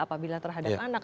apabila terhadap anak